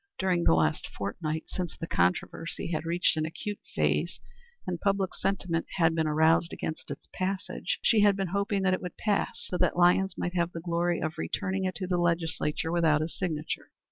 During the last fortnight, since the controversy had reached an acute phase and public sentiment had been aroused against its passage, she had been hoping that it would pass so that Lyons might have the glory of returning it to the Legislature without his signature.